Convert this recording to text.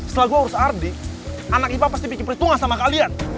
setelah gue harus ardi anak ipa pasti bikin perhitungan sama kalian